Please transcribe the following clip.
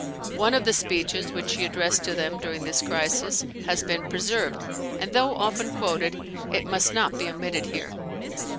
One of the speeches which she addressed to them during this crisis has been preserved; and, though often quoted, it must not be omitted here.